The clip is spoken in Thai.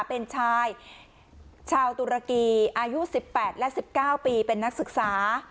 เป็นชายชาวตุรกีอายุสิบแปดและสิบเก้าปีเป็นนักศึกษา